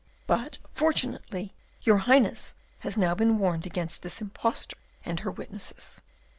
But, fortunately, your Highness has now been warned against this impostor and her witnesses."